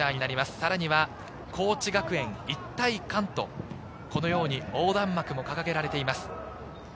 さらに高知学園、「一体感」とこのように横断幕も掲げられています。